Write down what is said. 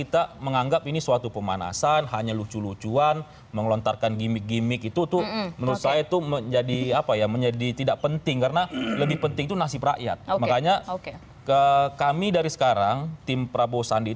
terima kasih terima kasih terima kasih terima kasih